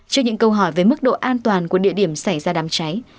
trước những câu hỏi về mức độ an toàn của địa điểm xảy ra đám cháy